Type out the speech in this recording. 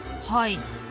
はい。